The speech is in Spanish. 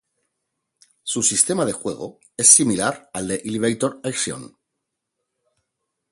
Su sistema de juego es similar al de "Elevator Action".